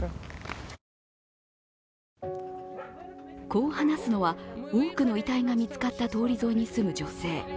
こう話すのは、多くの遺体が見つかった通り沿いに住む女性。